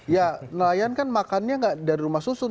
ya nelayan kan makannya nggak dari rumah susun